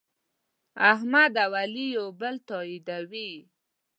احمد او علي یو بل تأییدوي.